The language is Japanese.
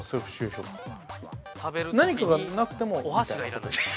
何かがなくてもみたいなことですか。